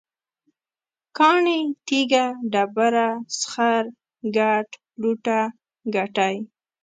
کاڼی، تیږه، ډبره، سخر، ګټ، لوټه، ګټی